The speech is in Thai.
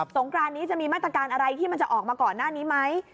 งกรานนี้จะมีมาตรการอะไรที่มันจะออกมาก่อนหน้านี้ไหม